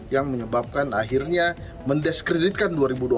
yang menyebabkan akhirnya mendiskreditkan dua ribu dua puluh empat